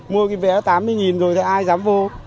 mua cái vé tám mươi rồi thì ai dám vô